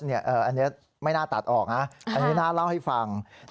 อันนี้ไม่น่าตัดออกนะอันนี้น่าเล่าให้ฟัง